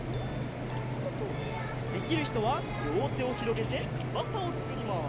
できるひとはりょうてをひろげてつばさをつくります。